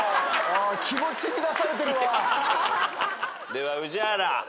では宇治原。